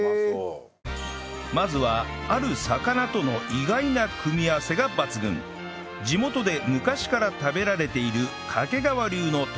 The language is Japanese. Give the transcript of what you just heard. まずはある魚との意外な組み合わせが抜群地元で昔から食べられている掛川流のとろろ汁を作ります